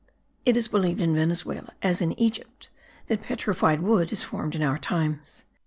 It is believed in Venezuela as in Egypt that petrified wood is formed in our times.